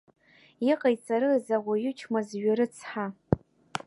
Иҟаиҵарыз ауаҩы чмазаҩы рыцҳа!